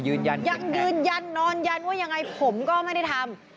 ยืนยันยังยืนยันนอนยันว่ายังไงผมก็ไม่ได้ทำ